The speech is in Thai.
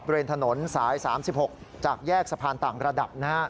เรียนถนนสาย๓๖จากแยกสะพานต่างระดับนะฮะ